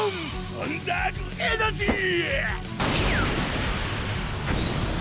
アンダーグ・エナジー！